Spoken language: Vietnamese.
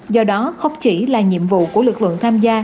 do đó không chỉ là nhiệm vụ của lực lượng tham gia